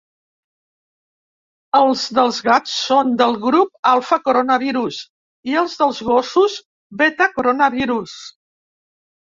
Els dels gats són del grup alfa-coronavirus i els dels gossos, beta-coronavirus.